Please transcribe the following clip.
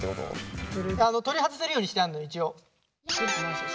取り外せるようにしてあるの一応。